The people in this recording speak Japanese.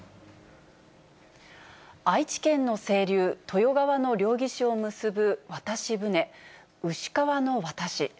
愛知県の清流、豊川の両岸を結ぶ渡し船、牛川の渡し。